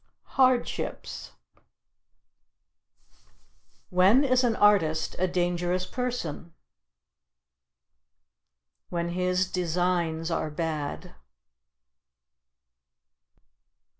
Hardships. When is an artist a dangerous person? When his designs are bad.